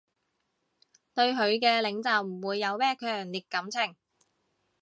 對佢嘅領袖唔會有咩強烈感情